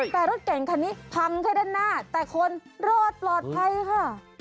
แต่รถเก่งคันนี้พังแค่ด้านหน้าแต่คนรอดปลอดภัยค่ะ